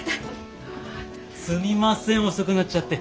すみません遅くなっちゃって。